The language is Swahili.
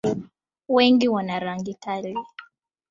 Wengi wana rangi kali.